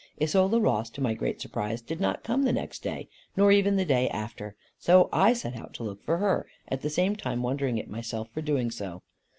Isola Ross, to my great surprise, did not come the next day, nor even the day after; so I set out to look for her, at the same time wondering at myself for doing so.